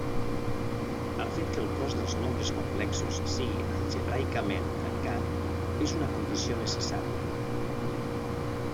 El fet que el cos dels nombres complexos sigui algebraicament tancat és una condició necessària.